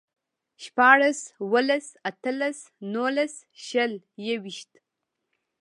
شپاړس، اووهلس، اتهلس، نولس، شل، يوويشت